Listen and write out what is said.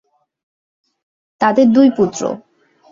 তাদের দুই পুত্র।